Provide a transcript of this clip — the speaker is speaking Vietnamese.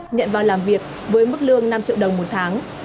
nhận vào làm việc với mức lương năm triệu đồng một tháng